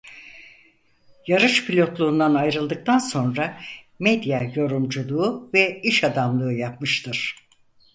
Yarış pilotluğundan ayrıldıktan sonra medya yorumculuğu ve iş adamlığı yapmıştır.